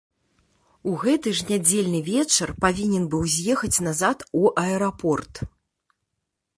У гэты ж нядзельны вечар павінен быў з'ехаць назад у аэрапорт.